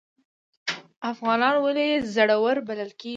افغانان ولې زړور بلل کیږي؟